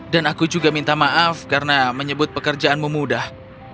dan aku juga minta maaf karena menyebut pekerjaanmu mudah